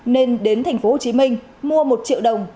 nên đến thành phố hồ chí minh mua một triệu đồng